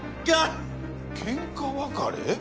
ケンカ別れ？